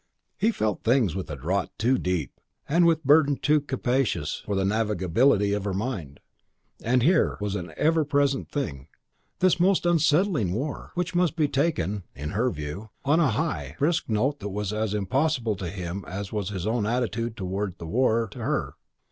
He felt things with draught too deep and with burthen too capacious for the navigability of her mind; and here was an ever present thing, this (in her phrase) most unsettling war, which must be taken (in her view) on a high, brisk note that was as impossible to him as was his own attitude towards the war to her.